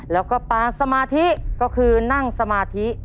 แล้วก็ปาสมาธิก็คือนั่งสมาธิ